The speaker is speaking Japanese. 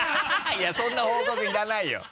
いやそんな報告いらないよ。